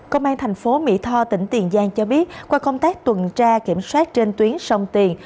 công an thành phố mỹ tho tỉnh tiền giang cho biết qua công tác tuần tra kiểm soát trên tuyến sông tiền